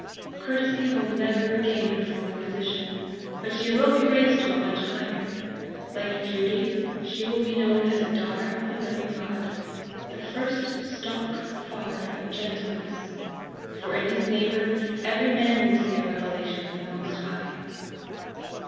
Courtesy will never regain her former position, but she will be raised to a much higher; like Duty she will be known as a daughter of the living God, "the first stocke father of gentilnes;" for in his neighbour every man will see a revelation of the Most High.